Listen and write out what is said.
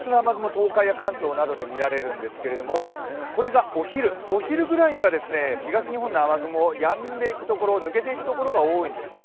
東海や関東などで見られるんですけれども、これがお昼ぐらいには東日本の雨雲、やんでいくところ抜けていくところが多いんですね。